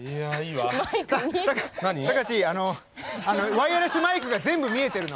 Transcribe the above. ワイヤレスマイクが全部見えてるの。